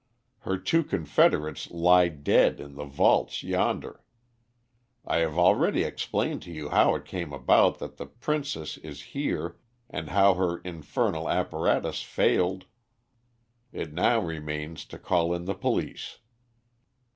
Her two confederates lie dead in the vaults yonder. I have already explained to you how it came about that the princess is here and how her infernal apparatus failed. It now remains to call in the police."